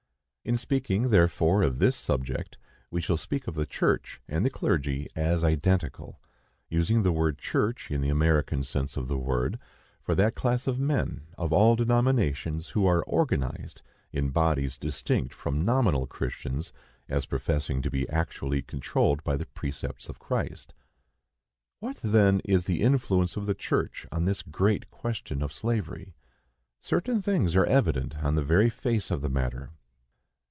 In speaking, therefore, of this subject, we shall speak of the church and the clergy as identical, using the word church in the American sense of the word, for that class of men, of all denominations, who are organized in bodies distinct from nominal Christians, as professing to be actually controlled by the precepts of Christ. What, then, is the influence of the church on this great question of slavery? Certain things are evident on the very face of the matter.